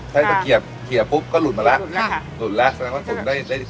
ใช้สะเกียบเขียบปุ๊บก็หลุดมาแล้วหลุดแล้วค่ะหลุดแล้วแสดงว่าตุ๋นได้ได้